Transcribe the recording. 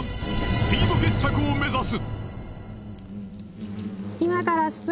スピード決着を目指す。